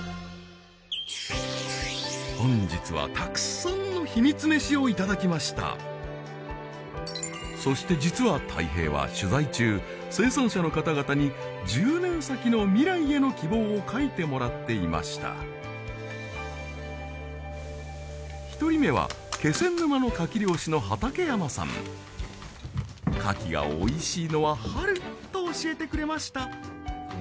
本日はたくさんのヒミツメシをいただきましたそして実はたい平は取材中生産者の方々に１０年先のを書いてもらっていました１人目は気仙沼の「カキが美味しいのは春」と教えてくれました